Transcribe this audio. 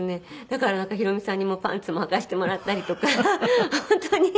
だからヒロミさんにパンツもはかせてもらったりとか本当に。